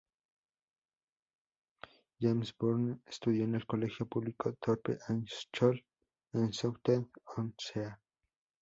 James Bourne estudió en el colegio público Thorpe Hall School en Southend-on-Sea.